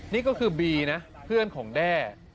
นี่ก็คือบีนะเพื่อนของแด้